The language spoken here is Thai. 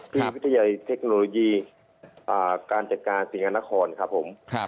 คือวิทยาลัยเทคโนโลยีอ่าการจัดการสิงหานครครับผมครับครับ